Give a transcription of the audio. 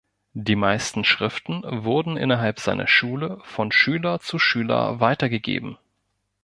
Die meisten Schriften wurden innerhalb seiner Schule von Schüler zu Schüler weitergegeben.